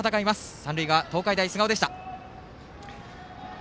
三塁側、東海大菅生でした。